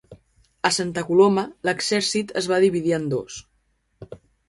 A Santa Coloma, l'exèrcit es va dividir en dos.